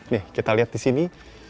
nih kita lihat di sini